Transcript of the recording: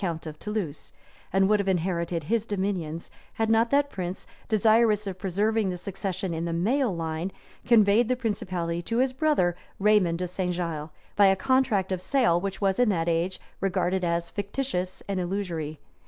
count of Toulouse; and would have inherited his dominions, had not that prince, desirous of preserving the succession in the male line, conveyed the principality to his brother Raymond de St. Gilles, by a contract of sale which was in that age regarded as fictitious and illusory.